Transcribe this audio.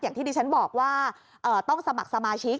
อย่างที่ดิฉันบอกว่าต้องสมัครสมาชิก